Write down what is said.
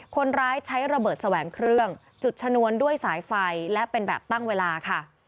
คนร้ายใช้ระเบิดแสวงเครื่องจุดชนวนด้วยสายไฟและเป็นแบบตั้งเวลาค่ะ